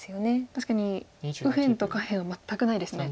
確かに右辺と下辺は全くないですね。